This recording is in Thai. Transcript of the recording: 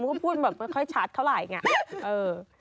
มันก็พูดแบบไม่ค่อยชัดเข้าหลายอย่างนี้